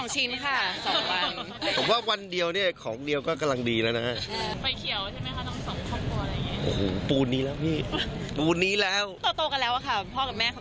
จะลองมาดูไหมคะ